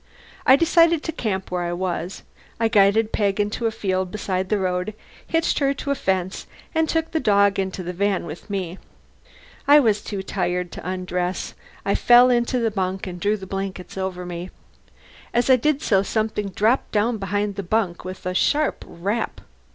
I decided to camp where I was. I guided Peg into a field beside the road, hitched her to a fence, and took the dog into the van with me. I was too tired to undress. I fell into the bunk and drew the blankets over me. As I did so, something dropped down behind the bunk with a sharp rap.